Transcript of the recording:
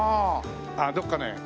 あっどこかね